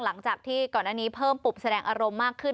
หลังจากที่ก่อนอันนี้เพิ่มปุบแสดงอารมณ์มากขึ้น